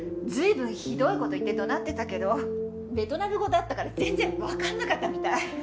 随分ひどい事言って怒鳴ってたけどベトナム語だったから全然わかんなかったみたい。